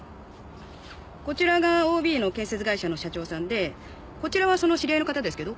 こちらがＯＢの建設会社の社長さんでこちらはその知り合いの方ですけど。